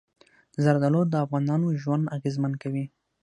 زردالو د افغانانو ژوند اغېزمن کوي.